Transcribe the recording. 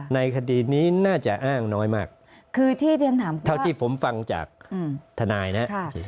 ในคดีนี้น่าจะอ้างน้อยมากเท่าที่ผมฟังจากทนายนะ